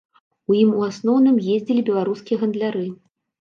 У ім у асноўным ездзілі беларускія гандляры.